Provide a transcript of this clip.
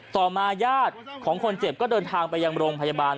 ต่อมาญาติของคนเจ็บก็เดินทางไปยังโรงพยาบาล